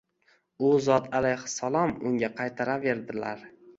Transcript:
U zot alayhissalom unga qaytaraverdilar